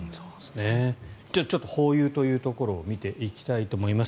ホーユーというところを見ていきたいと思います。